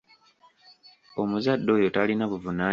Omuzadde oyo talina buvunaanyizibwa.